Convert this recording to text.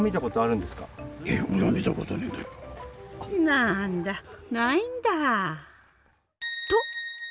なんだないんだ。